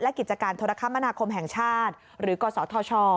และกิจการโทรคมนาคมแห่งชาติหรือกศธช